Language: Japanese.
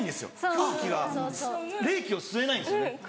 空気が冷気を吸えないんですよね。